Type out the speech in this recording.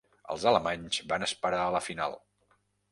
Els alemanys van esperar a la final.